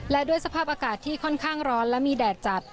และด้วยสภาพอากาศที่ค่อนข้างร้อนและมีแดดจัด